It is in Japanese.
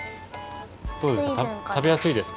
どうですか？